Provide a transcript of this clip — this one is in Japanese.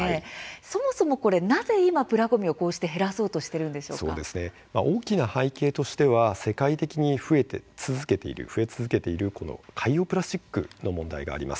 そもそもなぜ、今プラごみを減らそうと大きな背景としては世界的に増え続けている海洋プラスチックの問題があります。